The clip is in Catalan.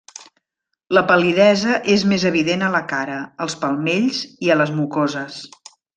La pal·lidesa és més evident a la cara, als palmells i a les mucoses.